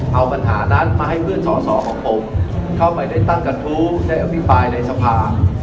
เอาปัญหานั้นมาให้เพื่อนสอสอของผมเข้าไปได้ตั้งกระทู้ได้อภิปรายในสภา